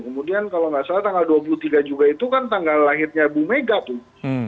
kemudian kalau nggak salah tanggal dua puluh tiga juga itu kan tanggal lahirnya bu mega pun